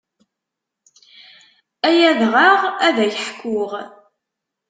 Ay adɣaɣ ad ak-ḥkuɣ.